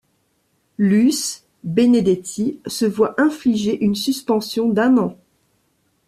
Luce Benedetti se voit infliger une suspension d'un an.